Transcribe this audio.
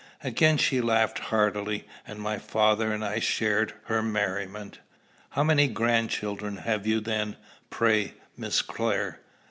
Again she laughed heartily, and my father and I shared her merriment. "How many grandchildren have you then, pray, Miss Clare?"